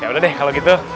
yaudah deh kalau gitu